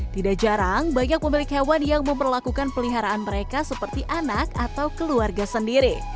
tidak jarang banyak pemilik hewan yang memperlakukan peliharaan mereka seperti anak atau keluarga sendiri